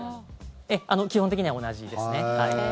基本的には同じですね。